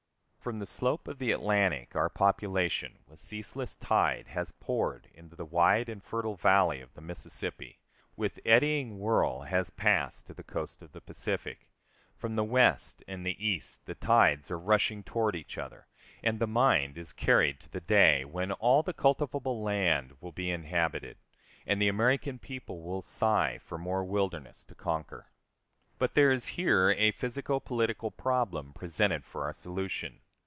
From the slope of the Atlantic our population, with ceaseless tide, has poured into the wide and fertile valley of the Mississippi, with eddying whirl has passed to the coast of the Pacific; from the West and the East the tides are rushing toward each other, and the mind is carried to the day when all the cultivable land will be inhabited, and the American people will sigh for more wilderness to conquer. But there is here a physico political problem presented for our solution.